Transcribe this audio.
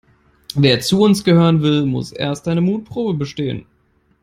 Wer zu uns gehören will, muss erst eine Mutprobe bestehen.